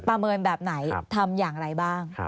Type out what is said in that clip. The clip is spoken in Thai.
เมินแบบไหนทำอย่างไรบ้าง